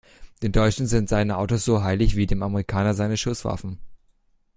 Dem Deutschen sind seine Autos so heilig wie dem Amerikaner seine Schusswaffen.